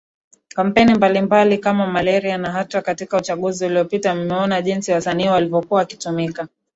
kampeni mbalimbali kama Maleria na hata katika uchaguzi uliopita mmeona jinsi wasanii walivyokuwa wakitumika